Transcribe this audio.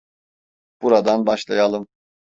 Buradan başlayalım.